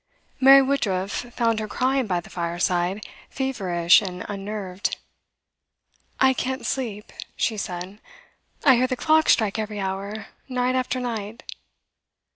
Mary Woodruff found her crying by the fireside, feverish and unnerved. 'I can't sleep,' she said. 'I hear the clock strike every hour, night after night.